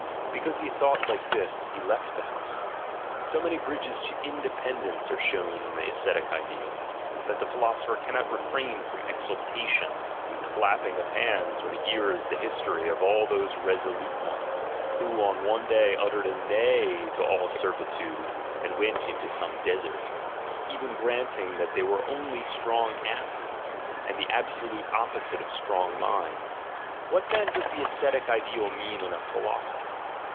Because he thought like this, he left the house. So many bridges to independence are shown in the ascetic ideal, that the philosopher can not refrain from exultation and clapping of hands when he hears the history of all those resolute ones, who on one day uttered a nay to all servitude and went into some desert; even granting that they were only strong asses, and the absolute opposite of strong minds. What, then, does the ascetic ideal mean in a philosopher?